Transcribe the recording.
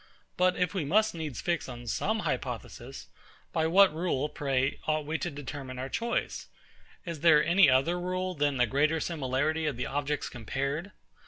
But if we must needs fix on some hypothesis; by what rule, pray, ought we to determine our choice? Is there any other rule than the greater similarity of the objects compared?